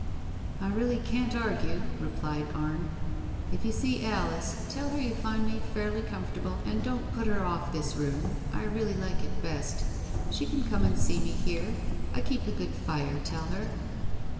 "I really can't argue!" replied Arne. ... "If you see Alice, tell her you find me fairly comfortable and don't put her off this room. I really like it best. She can come and see me here, I keep a good fire, tell her.